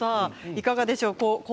いかがでしょう。